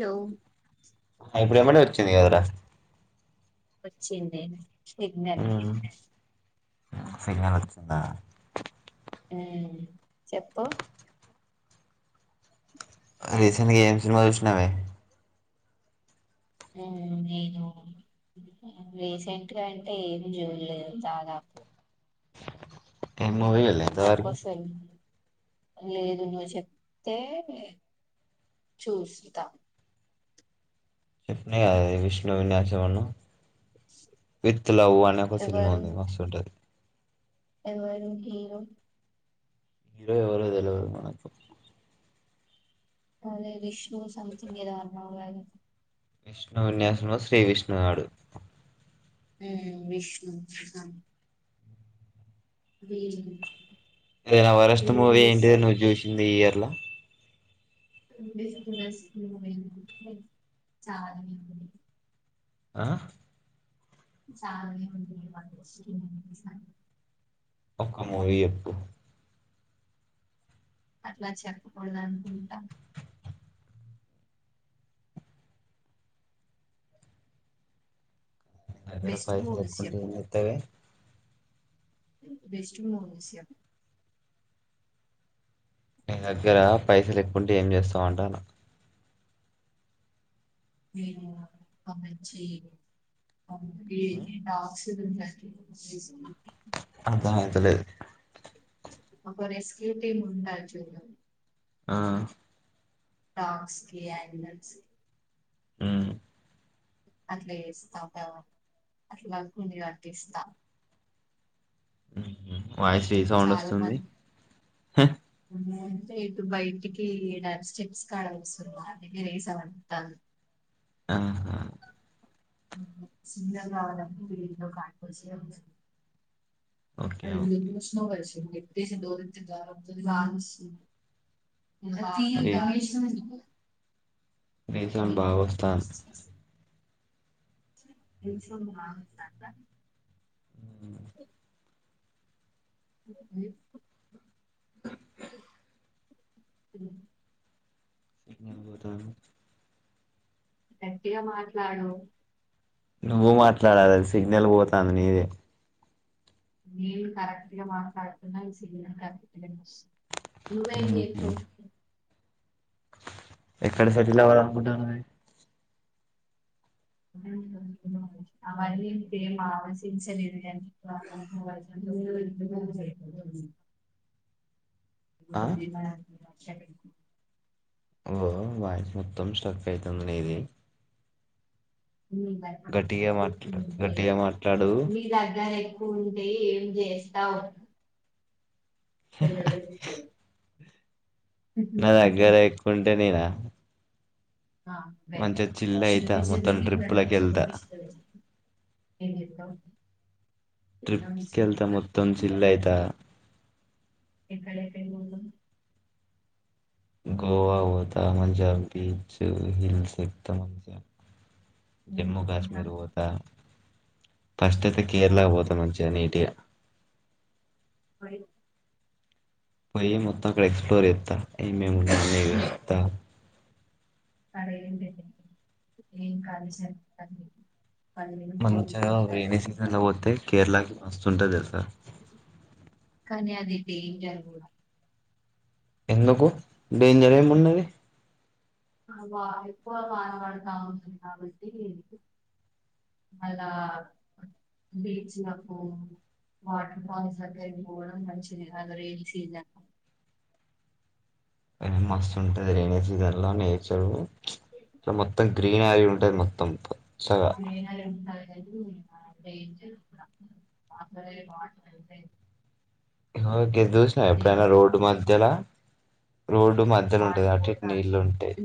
లో ఇది గదరా వచ్చిందే సిగ్నల్ సిగ్నల్ వచ్చిందా ఉమ్ చెప్పు రీసెంట్ గా ఏం సినిమా చూసినావే ఉమ్ నేను రీసెంట్గా అంటే ఏం జూలేదు దాదాప్ ఏమూవీ చూళ్ళేదా నాకు ఇంతవరకి అసలు లేదు నువ్వు చెప్తే చూస్తా చెప్పిన కదా విష్ణు విన్యాసను విత్ లవ్ అనే ఒక సినిమా ఎవరు ఉంది మస్తుంటుది ఎవరు హీరో హీరో ఎవరో తెలవదు మనకు అదే విష్ణు సంథింగ్ ఏదో అన్నవుకాదనే విష్ణు విన్యాసంలో శ్రీ విష్ణువాడు ఉమ్ విష్ణు వింనా వీ ఏదే నా వరేస్ట్ మూవీ ఏంటిద నువ్వు చూసింది ఈ ఇయర్ లో [unintelligible] అంటే చాలనే ఉంది ఆ చాలనే ఉంది మంచిగ చూసా ఒక్క మూవీ చెప్పు అట్లా చెప్పకూడదు అనుకుంటా గ బెస్ట్ పైస మూవీస్ చెప్పు చెకుంటత్త బెస్ట్ మూవీ సియాం నీ దగ్గర పైసలు ఎక్కుంటే ఏం చేస్తావ్ అంటాన ఏను అమంచి ఏ ఆక్సిజన్ జ అర్ధమైత లేద్ ఒక రెస్క్యూ టీమ్ ఉండచున్ ఆ టాక్స్కి ఆంగల్స్ ఉమ్ అట్లే ఏస్తా అట్లాని వర్టిస్తా వాయిస్ ఏ సౌండ్ చాలా వస్తుంది మంది హ్ అంటే ఇటు బయటికి డాన్స్ స్టెప్స్ కాడ కూసున్న అందుకే రీ సౌండ్ వత్తాంది ఆహా సింగం కావాలప్పుడు మీరిలో కాట్పోస అతుంది ఓకే అది మీరు ఓకే చూసినావ్ కదా ఎత్తేస్తే జారోస్తది వానస్తుంది [unintelligible] రేపు గాని భాగస్తాన రెసుమె మర్క్స్ అట్లా అ అ సిగ్నల్ పోతాంది గట్టిగా మాట్లాడు నువ్వు మాట్లాడాలి సిగ్నల్ పోతుంది నీదే మీరు కరెక్ట్ గా మాట్లాడుతున్న సిగ్నల్ కట్ అయి వస్తుంది నువ్వేం మ్మ్ చేస్తావ్ ఎక్కడ సెట్టిల్ అవ్వాలి అనుకుంటూ మరి అవన్నీ ఇప్పుడేం ఆలోచించలే కానీ [unintelligible] ఆ అవు వాయిస్ మొత్తం స్ట్రక్ అయితుంది నిది మీ దగ్గర మాట్లా తీసుకుంటే గట్టిగా మాట్లాడు మీ దగ్గరే కుంటే ఏం చేస్తావ్ నా దగ్గర తీసుకుంటే నేనా ఆ వే మంచిగా చిల్ అయితా శృతి మొత్తం [unintelligible] ట్రిప్పులకి వెళ్తా ఏం చేద్దాం ట్రిప్స్ కి వెళ్తే మొత్తం కష్టపడుతుంది చిల్లు అయిత ఎక్కడెక్కడికి పోతాం గోవా పోతా మంచిగా బీచ్ హిల్స్ ఎక్కుతా మంచిగా నేను జమ్మూ ఇంకా కాశ్మీర్ పోత ఫస్ట్ అయితే కేరళ పోదా మంచిగా నీట్ గా మరి పోయి మొత్తం అక్కడ ఎక్స్ప్లోర్ చేస్తా ఏమేమి ఉన్నాయో చూస్తా ఆరే ఏంలేదే ఏం కాదు [unintelligible] మంచిగా రైైనీ సీజన్ లో వోతే కేరళకి మస్తుంటది తెల్సా కానీ అది డేంజర్ కూడా ఎందుకు డేంజర్ ఏమున్నది ఇవా ఎక్కువ వాన పడుతది కాబట్టి అలా బీచ్ లకు వాటర్ ఫాల్స్ దగ్గరకి పోవడం మంచిది గాదు రెనీ సీజన్ల ఏ మస్తు ఉంటది రేని సీజన్ ల నేచర్ ఇ మొత్తం గ్రీనరీ ఉంటది మొత్తం పో ఆ గ్రీనరీ ఉంటది [unintelligible] అక్కడే వాటర్ ఉంటాయి ఇగో గిది చూసినావా ఎప్పుడైనా రోడ్డు మధ్యలా [inaudible] నీళ్లు ఉంటాయి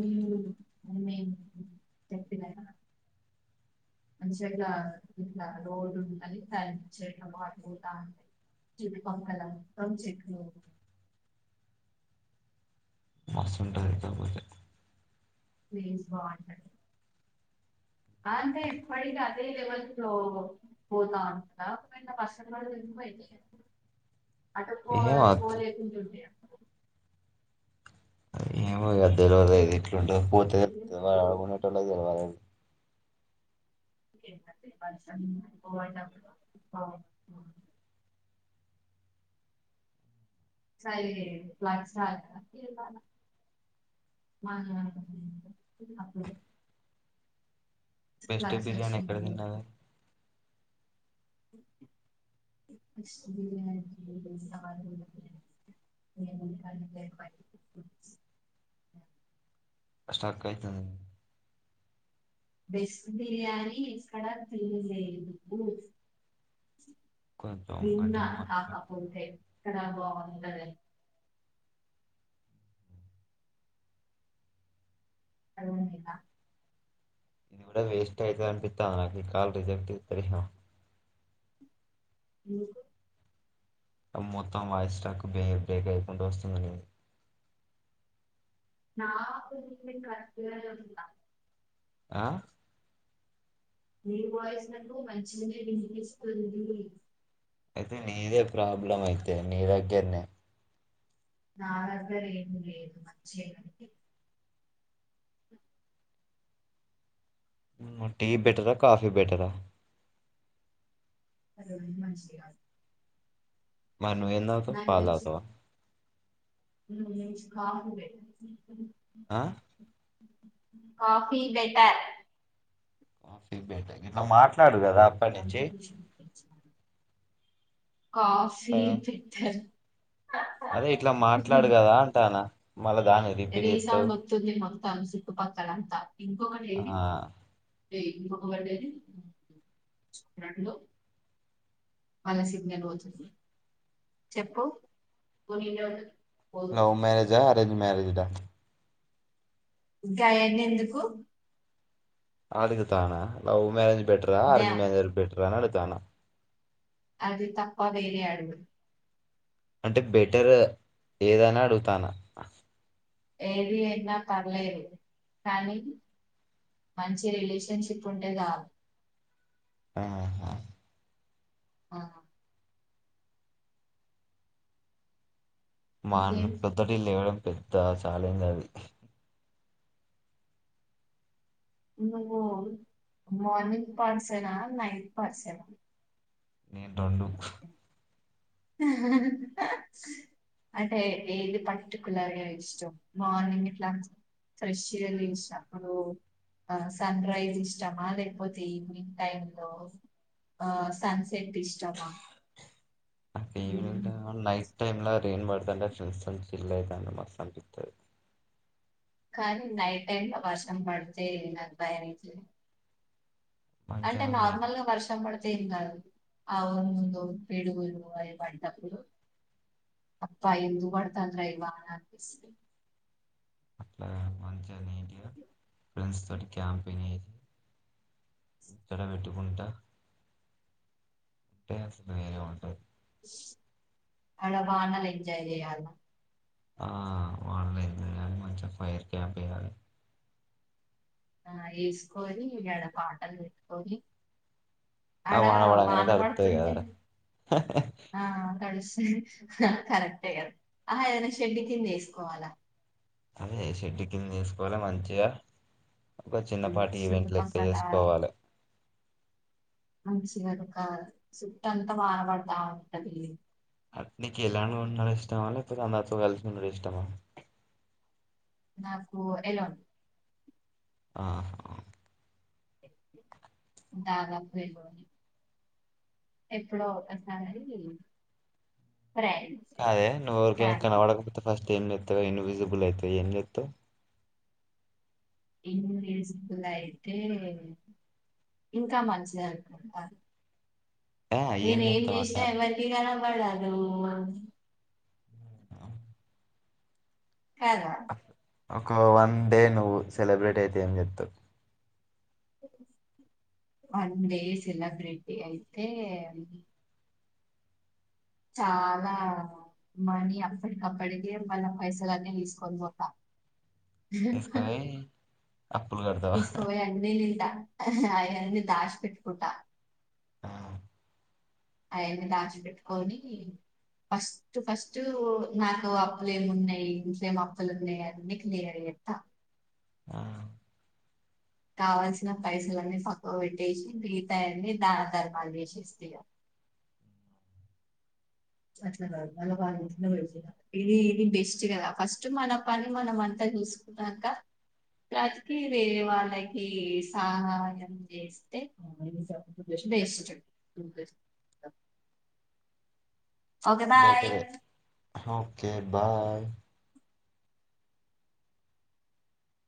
చెప్పిన గా మంచిలా ఇట్లా ఇట్లా రోడ్డు ఉంటాయి [unintelligible] పోతా ఉంటాయి చుట్టుపక్కల మొత్తం చెట్లే మస్తు ఉంటది కాకపోతే ప్లేస్ బాగుంటది అ అంటే ఇప్పటికి అదే లెవెల్ లో పోతావుంటాడా ఒకవేళ వర్షం అటు పో ఏమో పోలేకుంటుంటేయా ఏమో అది తెలవదా ఎట్లుంటదో పోతే తెలుస్తది అక్కడ ఉండేటోల్లకు తెలవాలి అది ఎంతటిక్ పర్సన్ [unintelligible] సైజు లేదు బ్లాక్ సారీ కాబట్టి ఆహా అప్పుడు బెస్ట్ బిర్యానీ ఎక్కడ తిన్నారండి [inaudible] [inaudible] అష్ట అక్కయితుంది బెస్ట్ బిర్యానీ ఇక్కడ తిన్లేదు కొంచెం గట్టిగా మాట్లాడు విన్నాహపోంట ఇక్కద బద క లేద ఇది కూడా వేస్ట్ అయితది అనిపిత్తాంది నాకు ఈ కాల్ రిజెక్ట్ చేత్తారేమో అ మొత్తం వాయిస్ స్టాక్ బే బ్రేక్ అవ్వుకుంట వస్తుంది మీది నా కతుంద ఆ మీ వాయిస్ నాకు మంచిగనే వినిపిస్తుంది అయితే నీదే ప్రాబ్లం అయితే నీ దగ్గరనే నా దగ్గర ఏమీ లేదు మంచిగనే ఉంది. టీ బిటరా కఫీ బిటరా అ మంచించిదు మరి నువ్వేం ధాగుతావ్? పాలు తాగుతావా? కాే ఆ కాఫీ బెటర్ సిబట ఇట్లా మాట్లాడు కదా అప్పటి నుంచి కాఫీ సగం ప అదే ఇట్లా మాట్లాడు కదా అంటానా మళ్ళా దాన్ని రిపీట్ రేసా చేత్తవ్ వతుంది మతాం చిక్కుపక్కల అంతా ఇంకొకటి ఏది ఆ ఇంకొ ఒక బర్డేది వాళ్ళ సిగ్నల్ పోతుంది చెప్పు పోనీజు లవ్ మ్యారేజ్ా అరేంజ్ మ్యారేజ్ట గాయాడి ఎందుకు అగుతానేే లవ్ మరేజ్ పెటరా నా అరేంజ్ మరేజర్ పెటరా అడుతన అది తప్ప వేర అడుగు అంటే బెటర్ ఏదని అడుగుతానా ఏది ఎ పలేరు కానీ మంచి రిలేషన్షిప్ ఉంటేదా ఆహా ఆా మా ఇంకేం పెద్దడళ్లు ఇవ్వడం పెద్ద ఛాలెంజ్ అది నువ్వు మార్నింగ్ పాసేనా నైట్ పాసేనా నేను రెండు అంటే ఏది పర్టికులర్గా ఇష్టం మార్నింగ్ ఇట్లా ఫష్ ఇష ఆ సన్ రైస్ ఇష్టమా లేదకపోతే ఈవనింగ్ టైమ్ లో ఆ సన్సెట్ ఇష్టమా ఈవనింగ్ ఉమ్. ట నైట్ టై ్రీన్ మద ఫ్రెంల్యిద మాసం కానీ నైట్ టైమ్ లో వర్షం పడితే నాకు భయ అంటే మంచిగా నీట్ నార్మల్ గా వర్షం పడుతుంది కాదు ఆవు ముందు పేడుగులు అవి పంటప్పుడు అప్పా ఎందు వార్తంద్ర ఇవాహన అనిపిస్త అట్లా మంచింటి ఫ్రెండ్స్ ఇటి క్యాంపింగ్ అయిది ఇక్కడ పెట్టుకుంటా అంటే అసలు వేనే ఉంటంది అల బనల్ ఎంజా చేయాల ఆ వాన్లేదు మంచిగ ఫైర్ క్యాంప్ వెయ్యాలి ఆ వేసుకొని గడ పాటలు పెట్టుకొని ఆ అడ పడంగానే వాన తడుస్తుంది పడుతుంటే కదరా ఆ తడుస్ కరెక్టే కదా ఆహ ఏదైనా షెడ్ కింద వేసుకోవాలా అదే షెడ్ కింద ఏసుకోవాల మంచిగా ఒక్క ఉమ్, చిన్నపాటి ఈవెంట్ లెక్క చుట్టుపక్కల చేసుకోవాలె మంచిగాను ఒక సుట్టంతా వాన పడ్తా ఉంటది నీకు ఇలానే ఉండడం ఇష్టమా లేకపోతే అందరితో కలిసి ఉండడం ఇష్టమా? నాకు ఎలొన్ ఆ దాగా ఫ ఎప్పుడో ఒకసారి ఫ్రెండ్స్ అదే నువ్ ఎవ్వరికైన ఫ్యామిలీ కనపడకపోతే ఫస్ట్ ఏంచేత్తావె ఫస్ట్ ఇన్విజబల్ అయితే ఏం చెేత్తవ్ ఇన్ విస్బుల్ అయితే ఇంకా మంచిది అనుకుంట ఆ నేను ఏం చేస్తావు చేసినా అంటారు ఎవ్వరికి కనపడను కదా ఒక వన్ డే నువ్వు సెలబ్రేట్ అయితే ఏం చెత్తావ్? వన్ డే సెలబ్రిటీ అయితే చాలా మనీ అప్పటికప్పటికే మళ్ళ పైసలు అన్నీ తీసుకొని పోతా తీసుకుపోయి అప్పులు కడతావా తీసుకపోయి అన్ని తింటా అయన్నీ దాచి పెట్టుకుంటా ఆ అయన్ని దాచిపెట్టుకోని ఫస్ట్ ఫస్ట్ నాకు అప్పులేమున్నాయి ఇంట్లో ఏమి అప్పులు ఉన్నాయి అన్నీ క్లియర్ ఇత్తా ఆ కావల్సిన పైసలన్నీ పక్కకు పెట్టేసి మిగతాయన్ని దాన ధర్మాలు చేసేస్త ఇక అట్లా కాదు అల ఇది ఇది బెస్ట్ కదా ఫస్ట్ మన పని మనం అంతా తీసుకున్నాక రాజకీయ్ వాళ్ళకి సహాయం చేస్తే వేస్ట్ బెటర్రే ఓకే బాయ్